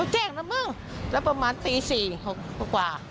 ใช่ค่ะ